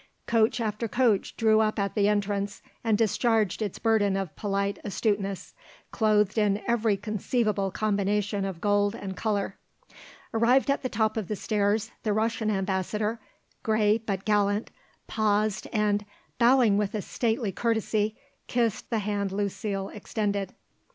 Coach after coach drew up at the entrance and discharged its burden of polite astuteness, clothed in every conceivable combination of gold and colour. Arrived at the top of the stairs, the Russian Ambassador, grey but gallant, paused and, bowing with a stately courtesy, kissed the hand Lucile extended.